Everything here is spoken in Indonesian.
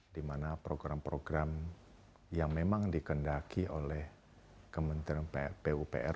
dimana program program yang memang dikendaki oleh kementerian pupr